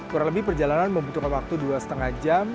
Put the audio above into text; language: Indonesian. kurang lebih perjalanan membutuhkan waktu dua lima jam